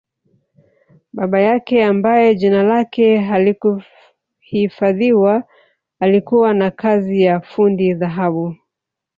Baba yake ambaye jina lake halikuhifadhiwa alikuwa na kazi ya fundi dhahabu